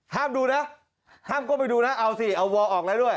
ห้ามดูนะห้ามก้มไปดูนะเอาสิเอาวอร์ออกแล้วด้วย